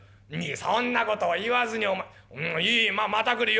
そんな事を言わずにお前いいまた来るよ」。